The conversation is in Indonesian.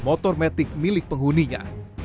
motor metik milik penghuninya